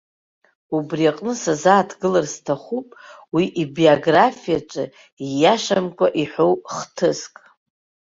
Ури аҟнытә сазааҭгылар сҭахуп уи ибиографиаҿы ииашамкәа иҳәоу хҭыск.